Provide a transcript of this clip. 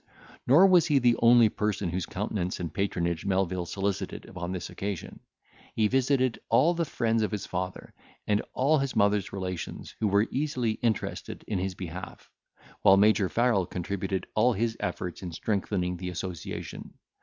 Nor was he the only person whose countenance and patronage Melvil solicited upon this occasion; he visited all the friends of his father, and all his mother's relations, who were easily interested in his behalf; while Major Farrel contributed all his efforts in strengthening the association.